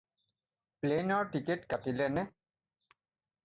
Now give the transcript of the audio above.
প্লে'নৰ ticket কাটিলেনে?